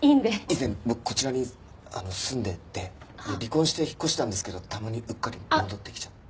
以前僕こちらに住んでて離婚して引っ越したんですけどたまにうっかり戻ってきちゃって。